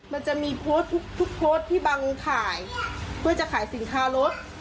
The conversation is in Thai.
มันจะมีโพสต์ทุกโพสต์ที่บังถ่ายเพื่อจะขายสินค้ารถ